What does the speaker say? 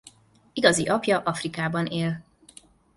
Igazi apja Afrikában él.